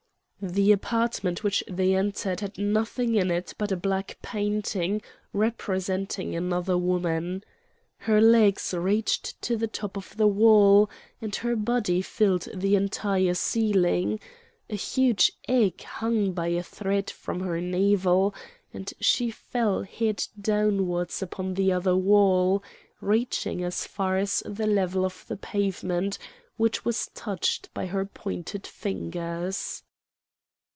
The apartment which they entered had nothing in it but a black painting representing another woman. Her legs reached to the top of the wall, and her body filled the entire ceiling; a huge egg hung by a thread from her navel, and she fell head downwards upon the other wall, reaching as far as the level of the pavement, which was touched by her pointed fingers.